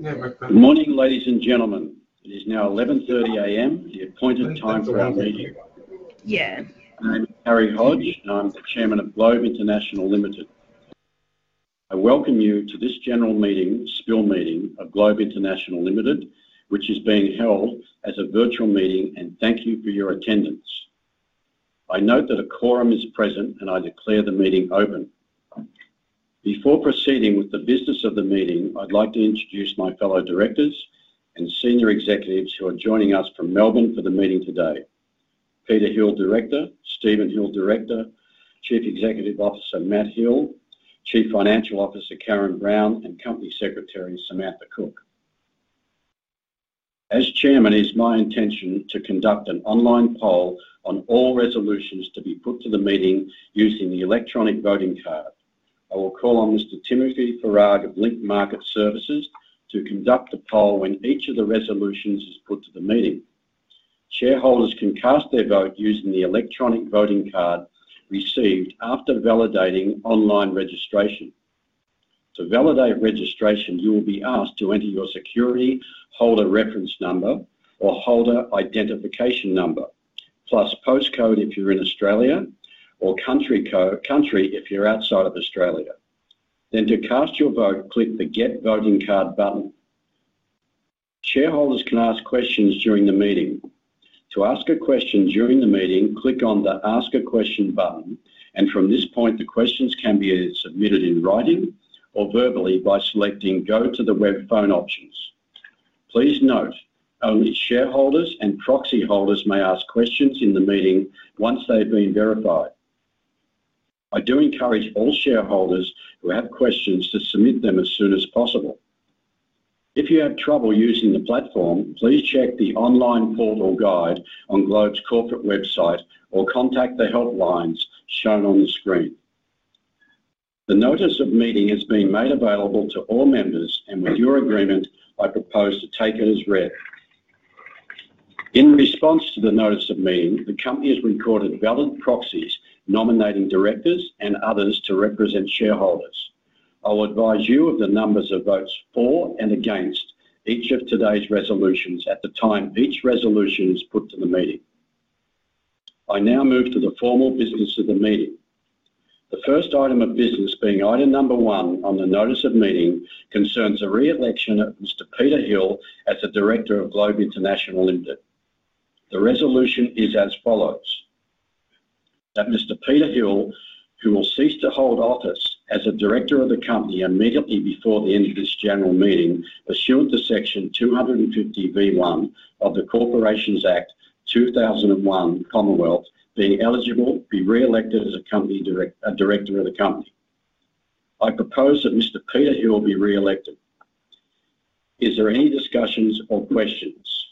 Good morning, ladies and gentlemen. It is now 11:30 A.M., the appointed time for our meeting. Yeah. My name is Harry Hodge, and I'm the Chairman of Globe International Ltd. I welcome you to this general meeting, spill meeting, of Globe International Ltd, which is being held as a virtual meeting, and thank you for your attendance. I note that a quorum is present, and I declare the meeting open. Before proceeding with the business of the meeting, I'd like to introduce my fellow directors and senior executives who are joining us from Melbourne for the meeting today. Peter Hill, Director. Stephen Hill, Director. Chief Executive Officer, Matt Hill. Chief Financial Officer, Karen Browne, and Company Secretary, Samantha Cook. As Chairman, it is my intention to conduct an online poll on all resolutions to be put to the meeting using the electronic voting card. I will call on Mr. Timothy Farrag of Link Market Services to conduct a poll when each of the resolutions is put to the meeting. Shareholders can cast their vote using the electronic voting card received after validating online registration. To validate registration, you will be asked to enter your security holder reference number or holder identification number, plus postcode if you're in Australia or country code if you're outside of Australia. To cast your vote, click the Get Voting Card button. Shareholders can ask questions during the meeting. To ask a question during the meeting, click on the Ask a Question button, and from this point, the questions can be either submitted in writing or verbally by selecting Go to the Web Phone Options. Please note, only shareholders and proxy holders may ask questions in the meeting once they've been verified. I do encourage all shareholders who have questions to submit them as soon as possible. If you have trouble using the platform, please check the online portal guide on Globe's corporate website or contact the help lines shown on the screen. The notice of meeting is being made available to all members, and with your agreement, I propose to take it as read. In response to the notice of meeting, the company has recorded valid proxies nominating directors and others to represent shareholders. I'll advise you of the numbers of votes for and against each of today's resolutions at the time each resolution is put to the meeting. I now move to the formal business of the meeting. The first item of business, being item number one on the notice of meeting, concerns the re-election of Mr. Peter Hill as a Director of Globe International Ltd. The resolution is as follows: That Mr. Peter Hill, who will cease to hold office as a director of the company immediately before the end of this general meeting, pursuant to Section 250V(1) of the Corporations Act 2001 (Commonwealth), being eligible, be re-elected as a director of the company. I propose that Mr. Peter Hill be re-elected. Is there any discussion or questions?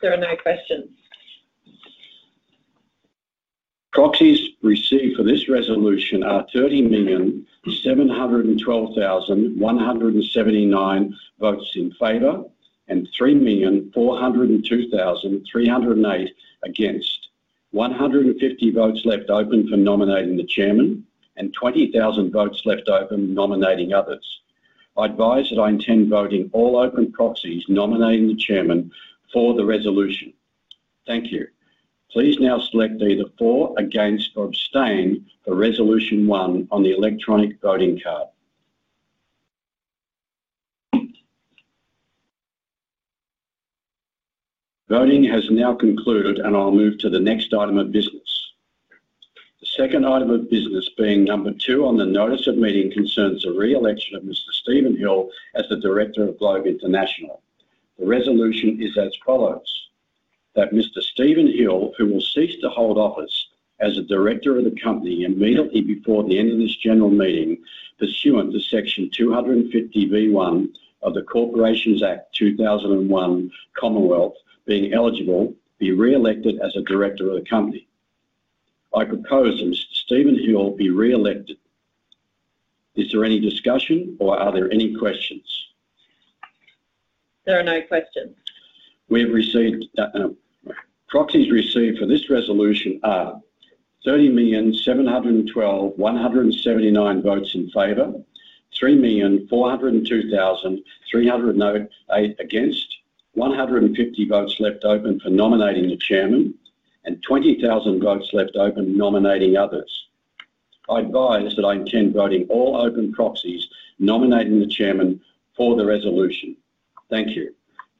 There are no questions. Proxies received for this resolution are 30,712,179 votes in favor and 3,402,308 against. 150 votes left open for nominating the Chairman and 20,000 votes left open nominating others. I advise that I intend voting all open proxies nominating the Chairman for the resolution. Thank you. Please now select either for, against, or abstain for resolution one on the electronic voting card. Voting has now concluded, and I'll move to the next item of business. The second item of business, being number two on the notice of meeting, concerns the re-election of Mr. Stephen Hill as the Director of Globe International. The resolution is as follows: That Mr. Stephen Hill, who will cease to hold office as a director of the company immediately before the end of this general meeting, pursuant to Section 250V(1) of the Corporations Act 2001 (Commonwealth), being eligible, be re-elected as a director of the company. I propose that Mr. Stephen Hill be re-elected. Is there any discussion or are there any questions? There are no questions. We have received proxies received for this resolution are 30,712,179 votes in favor, 3,402,308 against, 150 votes left open for nominating the chairman, and 20,000 votes left open nominating others. I advise that I intend voting all open proxies nominating the chairman for the resolution. Thank you.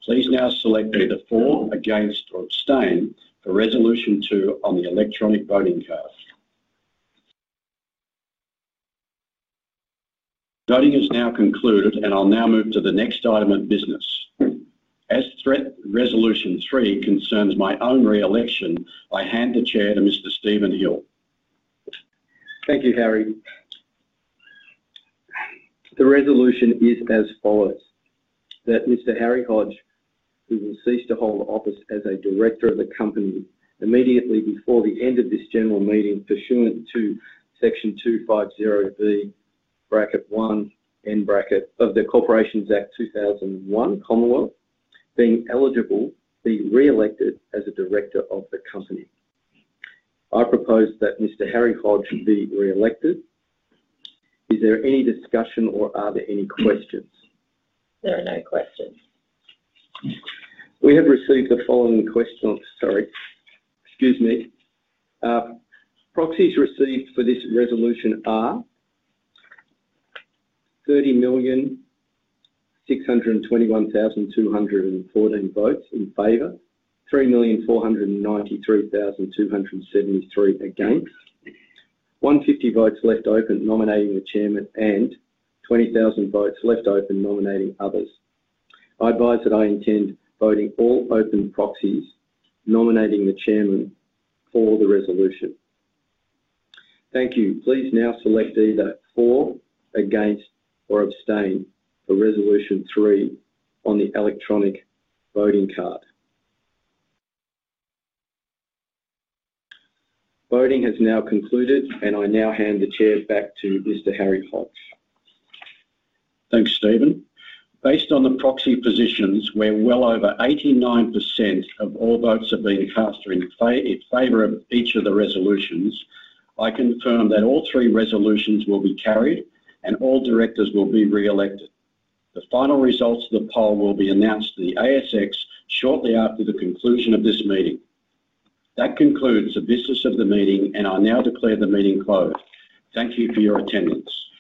Please now select either for, against, or abstain for resolution two on the electronic voting card. Voting is now concluded, and I'll now move to the next item of business. As this, resolution three concerns my own re-election. I hand the chair to Mr. Stephen Hill. Thank you, Harry. The resolution is as follows: That Mr. Harry Hodge, who will cease to hold office as a director of the company immediately before the end of this general meeting, pursuant to Section 250V(1) of the Corporations Act 2001 (Commonwealth), being eligible, be re-elected as a director of the company. I propose that Mr. Harry Hodge be re-elected. Is there any discussion or are there any questions? There are no questions. We have received the following question. Sorry, excuse me. Proxies received for this resolution are 30,621,214 votes in favor, 3,492,273 against, 150 left open nominating the chairman, and 20,000 votes left open nominating others. I advise that I intend voting all open proxies nominating the Chairman for the resolution. Thank you. Please now select either for, against, or abstain for resolution three on the electronic voting card. Voting has now concluded, and I now hand the chair back to Mr. Harry Hodge. Thanks, Stephen. Based on the proxy positions, where well over 89% of all votes have been cast in favor of each of the resolutions, I confirm that all three resolutions will be carried, and all directors will be re-elected. The final results of the poll will be announced to the ASX shortly after the conclusion of this meeting. That concludes the business of the meeting, and I now declare the meeting closed. Thank you for your attendance.